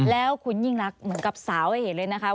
แล้วคุณยิ่งรักเหมือนกับสาวให้เห็นเลยนะคะ